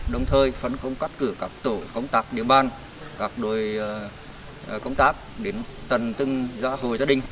đồng thời phấn công cắt cử các tổ công tác địa bàn các đội công tác đến tầng tương gia hồi gia đình